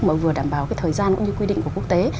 mà vừa đảm bảo cái thời gian cũng như quy định của quốc tế